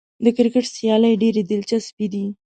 د کرکټ سیالۍ ډېرې دلچسپې دي.